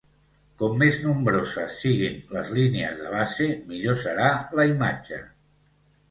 Com més nombroses siguin les línies de base, millor serà la imatge.